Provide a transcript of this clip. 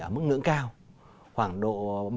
ở mức ngưỡng cao khoảng độ